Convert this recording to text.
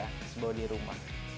terus bawa di rumah